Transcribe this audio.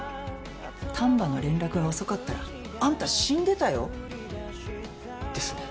丹波の連絡が遅かったらあんた死んでたよ？ですね。